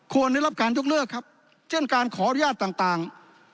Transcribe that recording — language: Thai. ได้รับการยกเลิกครับเช่นการขออนุญาตต่าง